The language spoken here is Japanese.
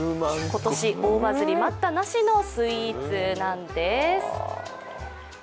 今年大バズり待ったなしのスイーツなんです。